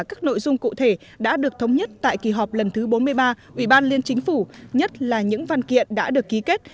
các nội dung cụ thể đã được thống nhất tại kỳ họp lần thứ bốn mươi ba ủy ban liên chính phủ nhất là những văn kiện đã được ký kết